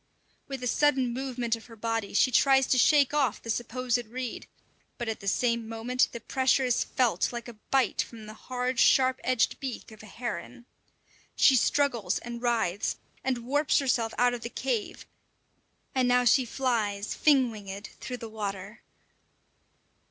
With a sudden movement of her body she tries to shake off the supposed reed, but at the same moment the pressure is felt like a bite from the hard, sharp edged beak of a heron. She struggles and writhes, and warps herself out of the cave; and now she flies, fin winged, through the water.